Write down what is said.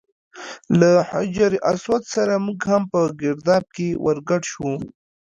له حجر اسود سره موږ هم په ګرداب کې ور ګډ شو.